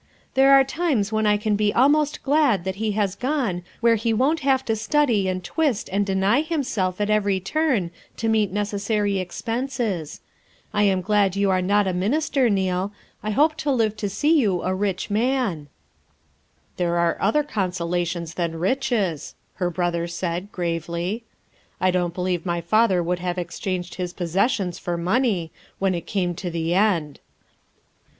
There are times when I can be almost glad that he has gone where he won't have to study and twist and deny himself at every turn to meet neces sary expenses. I am glad you are not a min FOUR MOTHERS AT CHAUTAUQUA 31 ister, Neal; I hope to live to see you a rich man." " There are other consolations than riches," her brother said, gravely. "I don't believe my father would have exchanged his possessions for money, when it came to the end."